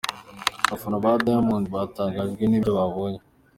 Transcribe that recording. Abafana ba Diamond batangajwe n'ibyo babonye.